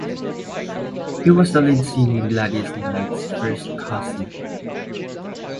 He was lead singer Gladys Knight's first cousin.